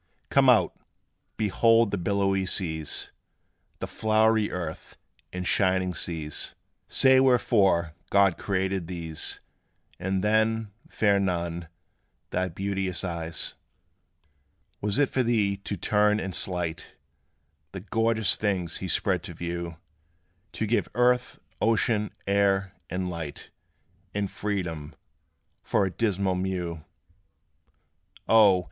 Come out! behold the billowy seas, The flowery earth, and shining skies: Say wherefore God created these; And then, fair Nun, thy beauteous eyes. Was it for thee to turn and slight The glorious things he spread to view To give earth, ocean, air, and light, And freedom, for a dismal mew? O!